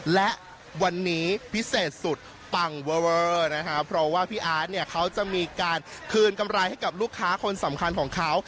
และวันนี้พิเศษสุดปังเวอร์นะคะเพราะว่าพี่อาร์ตเนี่ยเขาจะมีการคืนกำไรให้กับลูกค้าคนสำคัญของเขา